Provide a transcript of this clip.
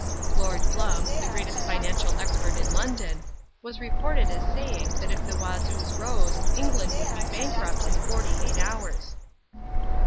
Lord Glump, the greatest financial expert in London, was reported as saying that if the Wazoos rose England would be bankrupt in forty eight hours.